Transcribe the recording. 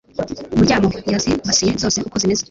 muryamo yazibasiye zose uko zimeze